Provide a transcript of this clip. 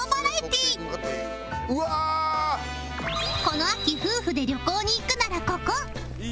この秋夫婦で旅行に行くならここ！